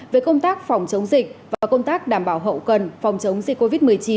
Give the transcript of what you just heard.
về công tác phòng chống dịch và công tác đảm bảo hậu cần phòng chống dịch covid một mươi chín